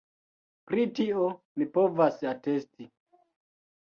Pri tio mi povas atesti.